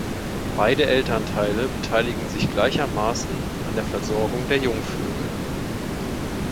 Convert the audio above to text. Beide Elternteile beteiligen sich gleichermaßen an der Versorgung der Jungvögel.